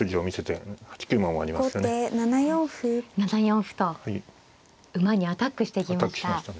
７四歩と馬にアタックしていきました。